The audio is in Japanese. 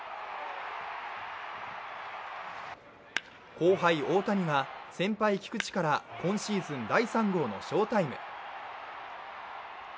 後輩・大谷が先輩・菊池から今シーズン第３号の翔タイム。